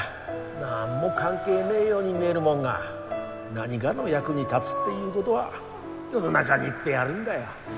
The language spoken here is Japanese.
何も関係ねえように見えるもんが何がの役に立つっていうごどは世の中にいっぺえあるんだよ。